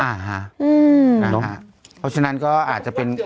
เพราะฉะนั้นก็อาจจะเป็น